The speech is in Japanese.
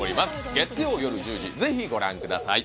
月曜夜１０時ぜひご覧ください